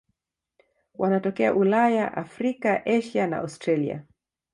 Wanatokea Ulaya, Afrika, Asia na Australia.